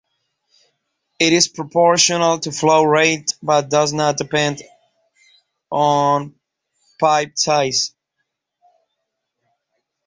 It is proportional to flow rate, but does not depend on pipe size.